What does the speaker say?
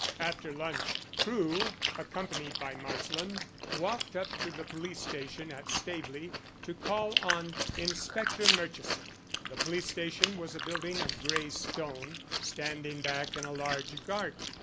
After lunch, Crewe, accompanied by Marsland, walked up to the police station at Staveley to call on Inspector Murchison. The police station was a building of grey stone, standing back in a large garden.